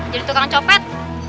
jadi tukang copet